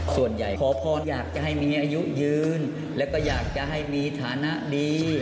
ขอพรอยากจะให้มีอายุยืนแล้วก็อยากจะให้มีฐานะดี